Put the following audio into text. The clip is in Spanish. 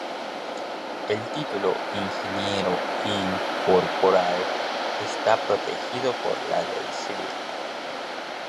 El título "ingeniero incorporado" está protegido por la ley civil.